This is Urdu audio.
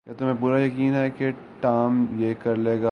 کیا تمہیں پورا یقین ہے کہ ٹام یہ کر لے گا؟